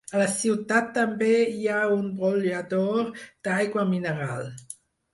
A la ciutat també hi ha un brollador d'aigua mineral.